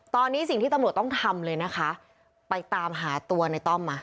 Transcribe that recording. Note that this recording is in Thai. ตอนนี้สิ่งที่ตำรวจต้องทำเลยนะคะไปตามหาตัวในต้อมมา